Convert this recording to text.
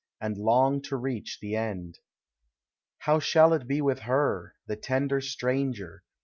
And long to reach the end. How shall it be with her, the tender stranger.